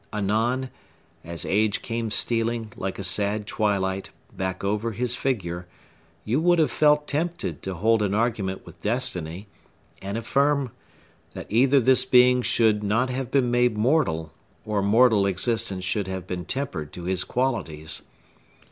Anon, as age came stealing, like a sad twilight, back over his figure, you would have felt tempted to hold an argument with Destiny, and affirm, that either this being should not have been made mortal, or mortal existence should have been tempered to his qualities.